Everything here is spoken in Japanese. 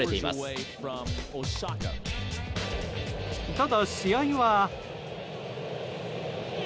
ただ、試合は。